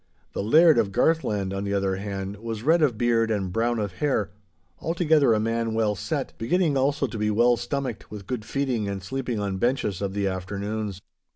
The Laird of Garthland, on the other hand, was red of beard and brown of hair, altogether a man well set, beginning also to be well stomached with good feeding and sleeping on benches of the afternoons.